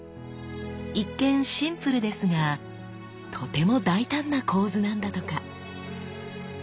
一見シンプルですがとても大胆な構図なんだとか。